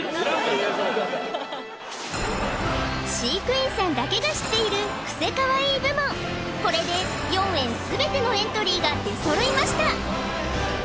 飼育員さんだけが知っているクセかわいい部門これで４園全てのエントリーが出揃いました